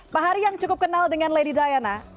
pak hari yang cukup kenal dengan lady diana